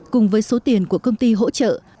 cùng với số tiền của công ty hỗ trợ